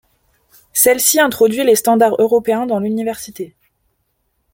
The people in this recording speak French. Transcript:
Celle-ci introduit les standards européens dans l'université.